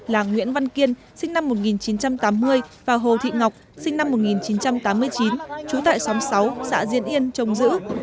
là nguyễn văn kiên sinh năm một nghìn chín trăm tám mươi và hồ thị ngọc sinh năm một nghìn chín trăm tám mươi chín trú tại xóm sáu xã diễn yên trồng giữ